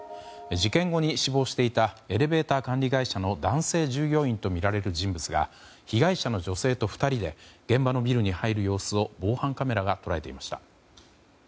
事件後に死亡していたエレベーター管理会社の男性従業員とみられる人物が被害者の女性と２人で現場のビルに入る様子を防犯カメラが捉えていました。